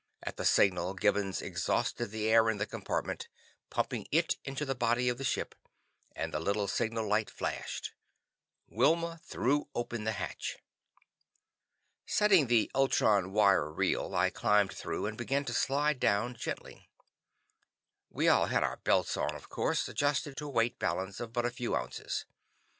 At our signal, Gibbons exhausted the air in the compartment, pumping it into the body of the ship, and as the little signal light flashed, Wilma threw open the hatch. Setting the ultron wire reel, I climbed through, and began to slide down gently. We all had our belts on, of course, adjusted to a weight balance of but a few ounces.